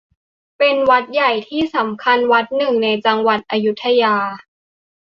เป็นวัดใหญ่ที่สำคัญวัดหนึ่งในจังหวัดอยุธยา